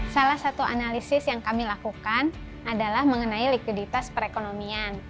salah satu analisis yang kami lakukan adalah mengenai likuiditas perekonomian